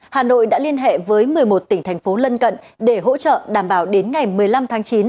hà nội đã liên hệ với một mươi một tỉnh thành phố lân cận để hỗ trợ đảm bảo đến ngày một mươi năm tháng chín